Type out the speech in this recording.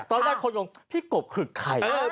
ตอนแรกคนงงพี่กบหึกใคร